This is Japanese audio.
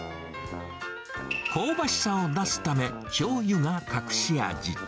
香ばしさを出すため、しょうゆが隠し味。